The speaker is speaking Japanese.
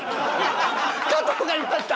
加藤がいました！